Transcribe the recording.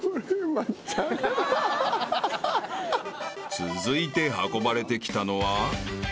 ［続いて運ばれてきたのは？］